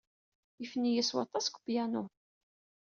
Ifen-iyi s waṭas deg upyanu.